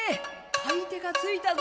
買い手がついたぞ。